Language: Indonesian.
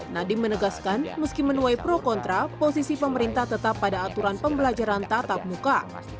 nadiem menegaskan meski menuai pro kontra posisi pemerintah tetap pada aturan pembelajaran tatap muka